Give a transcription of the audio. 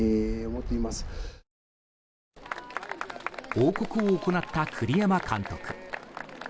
報告を行った栗山監督。